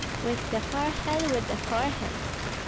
"With the forehead, with the forehead!"